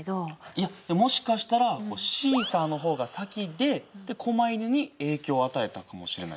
いやもしかしたらシーサーの方が先で狛犬に影響を与えたかもしれないよ。